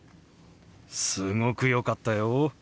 すごく良かったよ。